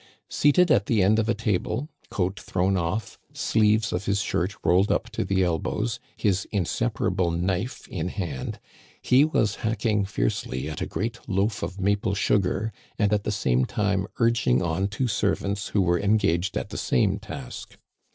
Seated at the end of a table, coat thrown off, sleeves of his shirt rolled up to the elbows, his inseparable knife in hand, he was hacking fiercely at a great loaf of maple sugar and at the same time urging on two servants who were engaged at the same task.